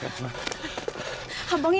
ya sudah ini dia yang nangis